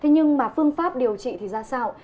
nhưng mà phương pháp điều trị thì ra sao